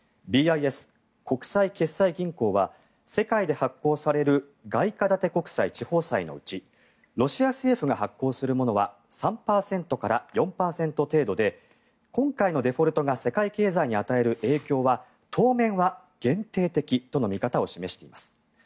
ＢＩＳ・国際決済銀行は世界で発行される外貨建て国債・地方債のうちロシア政府が発行するものは３％から４％程度で今回のデフォルトが世界経済に与える影響は当面は限定的との見方を示しています。